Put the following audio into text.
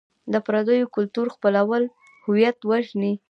د پردیو کلتور خپلول هویت وژني.